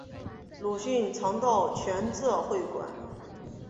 鲁迅常到全浙会馆。